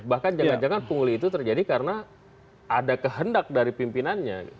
bahkan jangan jangan pungli itu terjadi karena ada kehendak dari pimpinannya